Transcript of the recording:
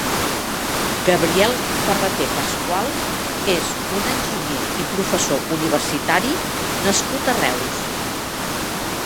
Gabriel Ferraté Pascual és un enginyer i professor universitari nascut a Reus.